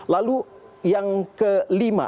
lalu yang kelima